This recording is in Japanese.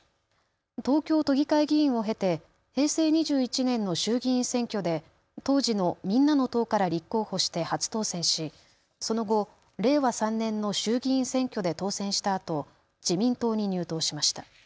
東京都議会議員を経て平成２１年の衆議院選挙で当時のみんなの党から立候補して初当選し、その後、令和３年の衆議院選挙で当選したあと自民党に入党しました。